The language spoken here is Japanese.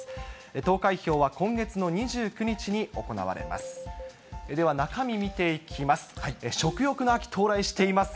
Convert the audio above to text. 投開票は今月の２９日に行われます。